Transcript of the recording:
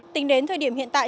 tính đến thời điểm hiện tại